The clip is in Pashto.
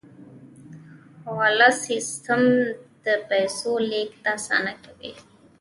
حواله سیستم د پیسو لیږد اسانه کوي